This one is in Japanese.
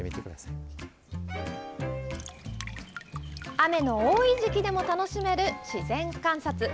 雨の多い時期でも楽しめる自然観察。